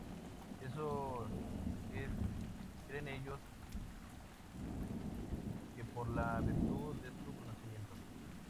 Eso es, creen ellos, que por la virtud de su conocimiento.